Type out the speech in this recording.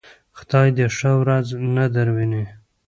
خدای دې ښه ورځ نه درويني.